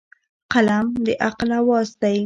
قلم د عقل اواز دی.